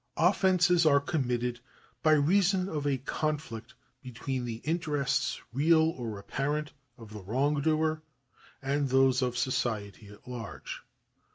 Offences are committed by reason of a conflict between the interests, real or apparent, of the wrongdoer and those of society at large.